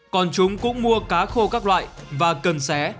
còn chúng cũng mua cá khô các loại và cần xé